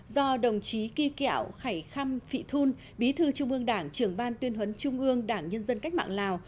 do đồng chí kỳ kẹo khải khăm phị thun bí thư trung ương đảng trưởng ban tuyên huấn trung ương đảng nhân dân cách mạng lào